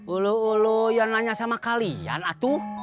ulo ulu yang nanya sama kalian atuh